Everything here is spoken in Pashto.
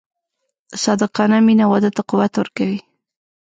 صادقانه مینه واده ته قوت ورکوي.